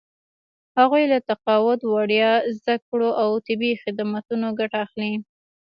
هغوی له تقاعد، وړیا زده کړو او طبي خدمتونو ګټه اخلي.